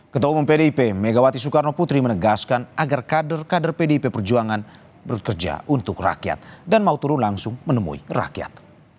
ketua umum pdip megawati soekarno putri menegaskan agar kader kader pdi perjuangan bekerja untuk rakyat dan mau turun langsung menemui rakyat